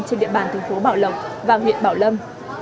trên địa bàn tp bảo lộc và huyện bảo lâm